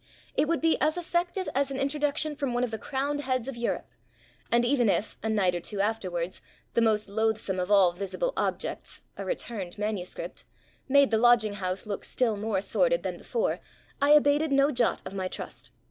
It would be as effective as an introduction from one of the crowned heads of Europe. And even if, a night or two afterwards, the most loathsome of all visible objects a returned manuscript made the lodging house look still more sordid than before, I abated no jot of my trust.